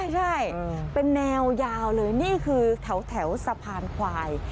ใช่เป็นแนวยาวเลยนี่คือแถวสะพานควาย